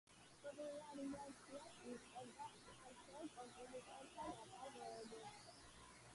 პოპულარიზაციას უწევდა ქართველ კომპოზიტორთა ნაწარმოებებს.